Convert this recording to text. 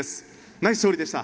ナイス勝利でした。